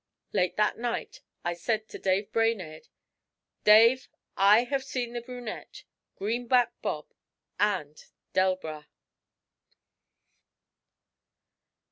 Late that night I said to Dave Brainerd: 'Dave, I have seen the brunette, Greenback Bob, and Delbras.'